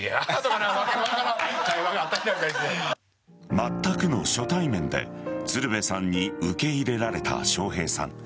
まったくの初対面で鶴瓶さんに受け入れられた笑瓶さん。